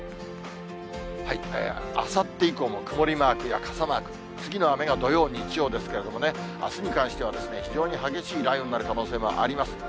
あさって以降も曇りマークや傘マーク、次の雨が土曜、日曜ですけれどもね、あすに関しては、非常に激しい雷雨になる可能性もあります。